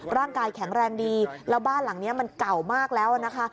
ร่างกายแข็งแรงดีแล้วบ้านหลังนี้มันเก่ามากแล้วนะคะ